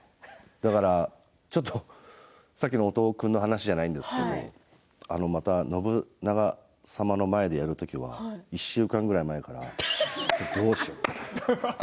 だから、ちょっとさっきの音尾君の話じゃないですけど信長様の前でやる時は１週間ぐらい前からどうしようかなって。